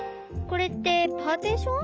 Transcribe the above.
これってパーティション？